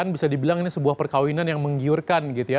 bisa dibilang ini sebuah perkawinan yang menggiurkan gitu ya